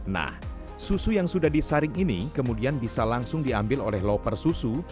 nah susu yang sudah disaring ini kemudian bisa langsung diambil oleh loper susu